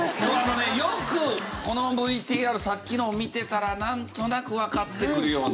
よくこのＶＴＲさっきのを見てたらなんとなくわかってくるような。